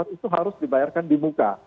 itu harus dibayarkan di muka